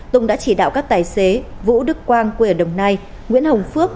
tùng đã chỉ đạo các tài xế vũ đức quang quyền đồng nai nguyễn hồng phước